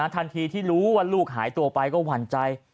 ทันทีที่รู้ว่าลูกหายตัวไปก็หวั่นใจ